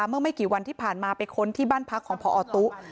เมื่อไม่กี่วันที่ผ่านมาไปค้นที่บ้านพักของพอตุ